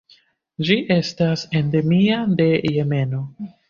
Ĝi estas endemia de Jemeno.